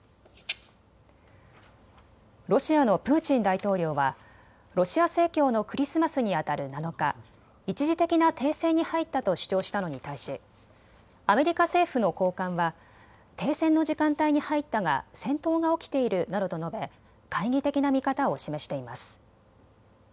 ロシアのプーチン大統領はロシア正教のクリスマスにあたる７日、一時的な停戦に入ったと主張したのに対しアメリカ政府の高官は停戦の時間帯に入ったが戦闘が起きているなどと述べ懐疑的な見方を示しています。